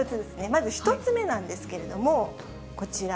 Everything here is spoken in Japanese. まず１つ目なんですけれども、こちら。